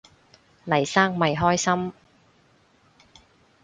黎生咪開心